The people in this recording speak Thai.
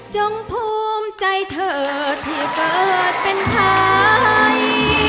จงภูมิใจเธอที่เกิดเป็นหาย